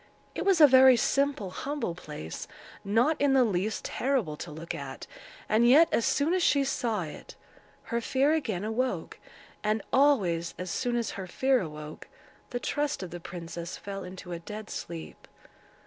It was a very simple, humble place, not in the least terrible to look at, and yet, as soon as she saw it, her fear again awoke, and always, as soon as her fear awoke, the trust of the princess fell into a dead sleep.